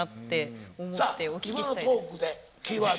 今のトークでキーワード。